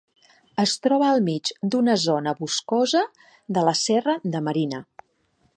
Es troba al mig d'una zona boscosa de la Serra de Marina.